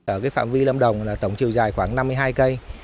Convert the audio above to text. ở phạm vi lâm đồng là tổng chiều dài khoảng năm mươi hai cây